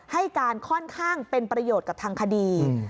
ให้การค่อนข้างเป็นประโยชน์กับทางคดี